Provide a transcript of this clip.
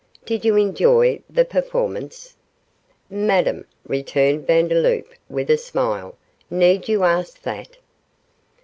Did you enjoy the performance?' 'Madame,' returned Vandeloup, with a smile, 'need you ask that?